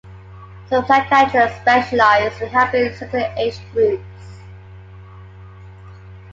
Some psychiatrists specialize in helping certain age groups.